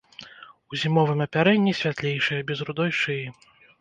У зімовым апярэнні святлейшыя, без рудой шыі.